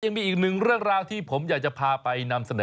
ยังมีอีกหนึ่งเรื่องราวที่ผมอยากจะพาไปนำเสนอ